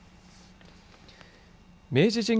明治神宮